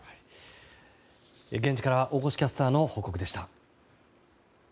現地から大越キャスターの報告でした。